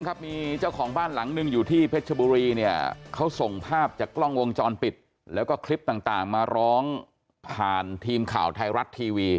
ครับมีเจ้าของบ้านหลังหนึ่งอยู่ที่เพชรบุรีเนี่ยเขาส่งภาพจากกล้องวงจรปิดแล้วก็คลิปต่างมาร้องผ่านทีมข่าวไทยรัฐทีวี